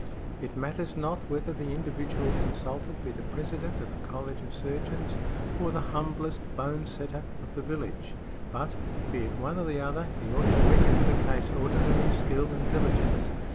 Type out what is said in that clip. It matters not whether the individual consulted be the President of the College of Surgeons, or the humblest bone setter of the village; but, be it one or the other, he ought to bring into the case ordinary skill and diligence.